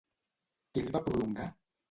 Qui el va prologar?